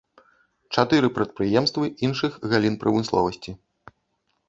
Чатыры прадпрыемствы іншых галін прамысловасці.